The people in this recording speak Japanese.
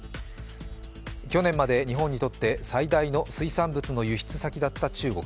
去年まで日本にとって最大の水産物の輸出先だった中国。